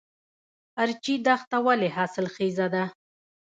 ارچي دښته ولې حاصلخیزه ده؟